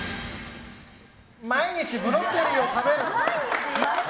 毎日ブロッコリーを食べる。